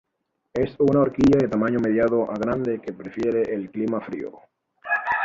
Es una orquídea de tamaño mediano a grande que prefiere el clima frío.